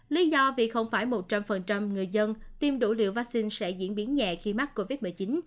lý do vì không phải một trăm linh người dân tiêm đủ liều vaccine sẽ diễn biến nhẹ khi mắc covid một mươi chín